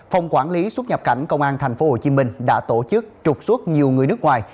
phòng quản lý xuất nhập cảnh công an thành phố hồ chí minh đã tổ chức trục xuất nhiều người nước ngoài